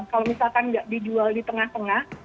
kalau misalkan nggak dijual di tengah tengah